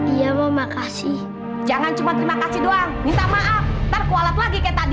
iya mama kasih jangan cuma terima kasih doang minta maaf ntar kualat lagi kayak tadi